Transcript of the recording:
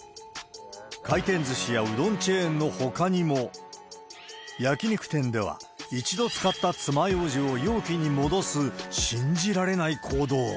回転ずしやうどんチェーンのほかにも、焼き肉店では、一度使ったつまようじを容器に戻す信じられない行動。